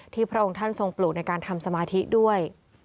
พระองค์ท่านทรงปลูกในการทำสมาธิด้วย